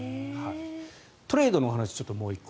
トレードのお話をもう１個。